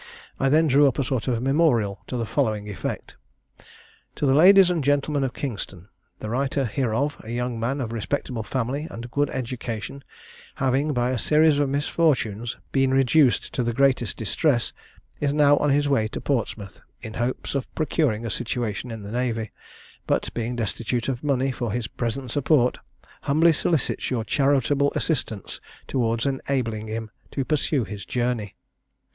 I then drew up a sort of memorial to the following effect: 'To the Ladies and Gentlemen of Kingston. The writer hereof, a young man of respectable family, and good education, having, by a series of misfortunes, been reduced to the greatest distress, is now on his way to Portsmouth, in hopes of procuring a situation in the navy; but, being destitute of money for his present support, humbly solicits your charitable assistance towards enabling him to pursue his journey.